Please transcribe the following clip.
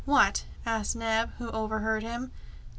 "What?" asked Neb, who overheard him.